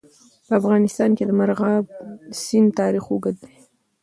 په افغانستان کې د مورغاب سیند تاریخ اوږد دی.